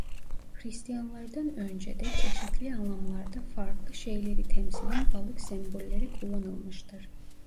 Hristiyanlardan önce de çeşitli anlamlarda farklı şeyleri temsilen balık sembolleri kullanılmıştır.